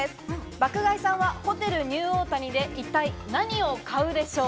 爆買いさんはホテルニューオータニで一体何を買うんでしょう？